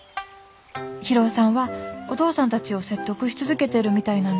博夫さんはお義父さんたちを説得し続けてるみたいなんだけど」。